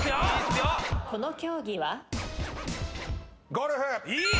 ゴルフ。